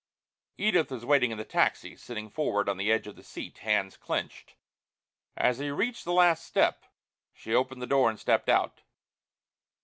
Edith was waiting in the taxi, sitting forward on the edge of the seat, hands clenched. As he reached the last step she opened the door and stepped out.